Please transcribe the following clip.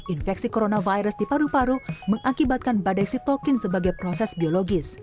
infeksi coronavirus di paru paru mengakibatkan badai sitokin sebagai proses biologis